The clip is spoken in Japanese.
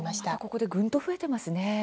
ここでぐんと増えていますね。